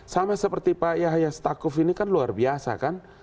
sama seperti pak yahya stakuf ini kan luar biasa kan